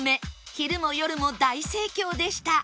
昼も夜も大盛況でした